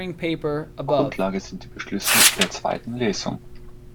Grundlage sind die Beschlüsse der Zweiten Lesung.